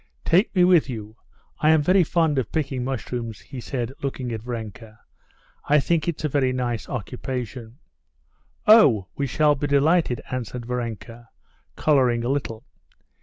"Take me with you. I am very fond of picking mushrooms," he said, looking at Varenka; "I think it's a very nice occupation." "Oh, we shall be delighted," answered Varenka, coloring a little.